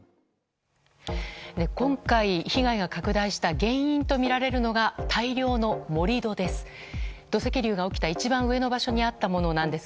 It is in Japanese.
今回、被害が拡大した原因とみられるのが大量の盛り土です。